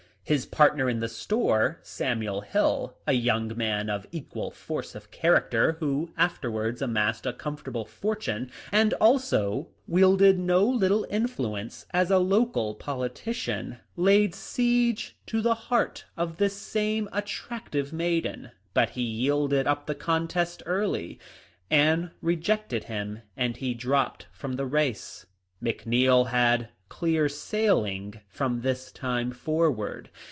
His partner in the store, Samuel Hill, a young man of equal force of character, who after wards amassed a comfortable fortune, and also wielded no little influence as a local politician, laid siege to the heart of this same attractive maiden, but he yielded up the contest early. Anne rejected him, and he dropped from the race. McNeil had clear sailing from this time forward.